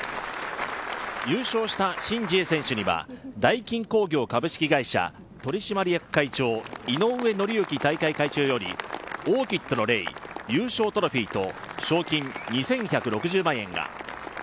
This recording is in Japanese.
優勝したシン・ジエ選手にはダイキン工業株式会社、取締役会長井上礼之大会会長よりオーキッドのレイ、優勝トロフィーと賞金２１６０万円が。